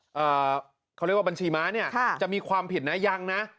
อ่าเขาเรียกว่าบัญชีม้าเนี่ยค่ะจะมีความผิดนะยังนะ